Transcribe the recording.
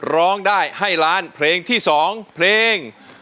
ร้องได้ให้ล้านเพลงที่๒เพลง